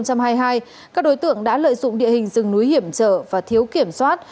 các đối tượng đã lợi dụng địa hình rừng núi hiểm trở và thiếu kiểm soát